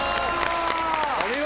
お見事！